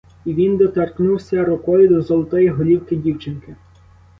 І він доторкнувся рукою до золотої голівки дівчинки.